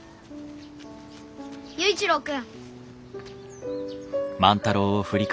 佑一郎君。